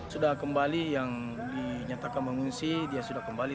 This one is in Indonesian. sudah kembali yang dinyatakan mengungsi dia sudah kembali